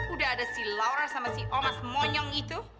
udah ada si laura sama si omas monyong itu